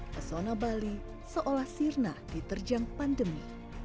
pesona bali seolah sirna diterjang pandemi